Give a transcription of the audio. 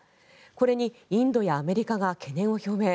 これにインドやアメリカが懸念を表明。